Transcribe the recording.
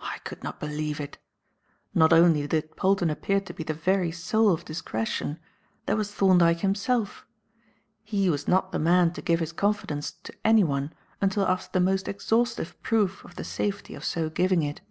I could not believe it. Not only did Polton appear to be the very soul of discretion; there was Thorndyke himself; he was not the man to give his confidence to anyone until after the most exhaustive proof of the safety of so giving it.